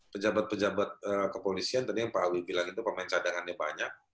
pejabat pejabat kepolisian tadi yang pak awi bilang itu pemain cadangannya banyak